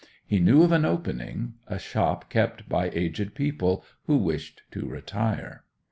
He knew of an opening—a shop kept by aged people who wished to retire.